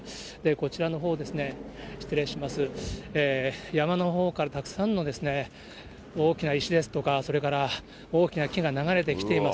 こちらのほう、失礼します、山のほうから、たくさんの大きな石ですとか、それから大きな木が流れてきています。